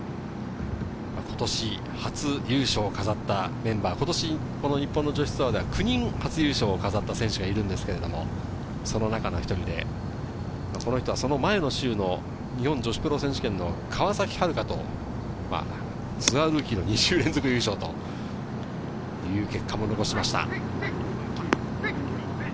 今年初優勝を飾ったメンバー、今年の日本の女子ツアーでは９人が初優勝を飾った選手がいるんですけれど、その中の１人で、この人はその前の週の日本女子プロ選手権の川崎春花と、ツアールーキーの２週連続優勝という結果も残しました。